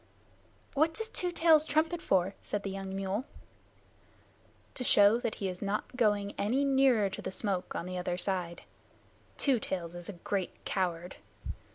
"What does Two Tails trumpet for?" said the young mule. "To show that he is not going any nearer to the smoke on the other side. Two Tails is a great coward.